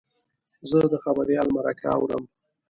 زه د خبریال مرکه اورم.